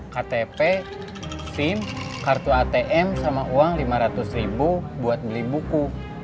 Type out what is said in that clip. ktp sim kartu atm sama uang lima ratus ribu buat beli buku